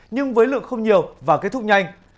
nhưng với lượng không nhiều và kết thúc nhanh